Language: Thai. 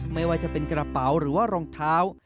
ไม่ว่าจะเป็นกระเป๋าหรือว่ารองเท้า